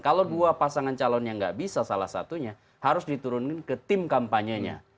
kalau dua pasangan calon yang nggak bisa salah satunya harus diturunkan ke tim kampanyenya